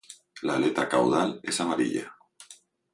La aleta caudal es amarilla.